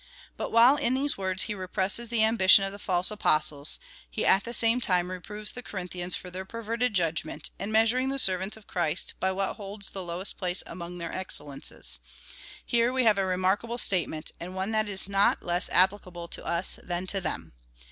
But while in these words he represses the ambition of the false apostles, he at the same time reproves the Corinthians for their perverted judgment, in measuring the servants of Christ by what holds the lowest place among their excel lences. Here we have a remarkable statement, and one that is not less applicable to us than to them.